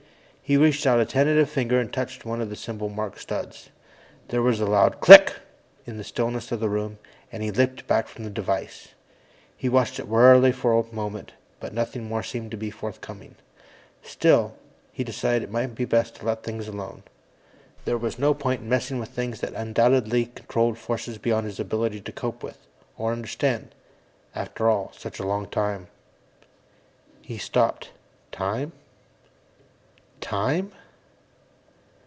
He reached out a tentative finger and touched one of the symbol marked studs. There was a loud click! in the stillness of the room, and he leaped back from the device. He watched it warily for a moment, but nothing more seemed to be forthcoming. Still, he decided it might be best to let things alone. There was no point in messing with things that undoubtedly controlled forces beyond his ability to cope with, or understand. After all, such a long time He stopped, Time? _Time?